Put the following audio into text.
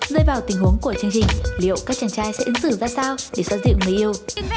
rơi vào tình huống của chương trình liệu các chàng trai sẽ ứng xử ra sao để xoa dịu người yêu